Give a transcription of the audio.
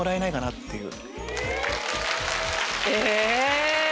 え